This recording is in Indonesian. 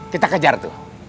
kita kejar tuh